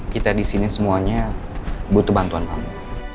kita di sini semuanya butuh bantuan kamu